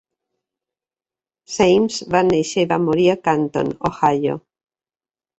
Saimes va néixer i va morir a Canton, Ohio.